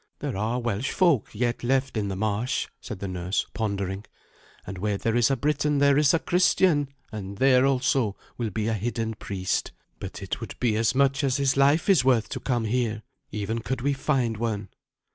"There are Welsh folk yet left in the marsh," said the nurse, pondering; "and where there is a Briton there is a Christian, and there, also, will be a hidden priest. But it would be as much as his life is worth to come here, even could we find one."